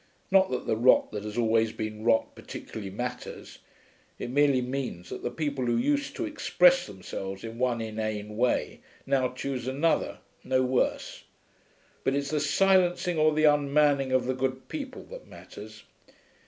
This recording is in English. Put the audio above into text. Not that the rot that has always been rot particularly matters; it merely means that the people who used to express themselves in one inane way now choose another, no worse; but it's the silencing or the unmanning of the good people that matters.